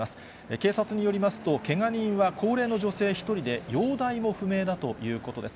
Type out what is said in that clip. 警察によりますと、けが人は高齢の女性１人で、容体も不明だということです。